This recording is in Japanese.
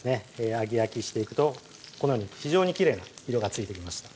揚げ焼きしていくとこのように非常にきれいな色がついてきました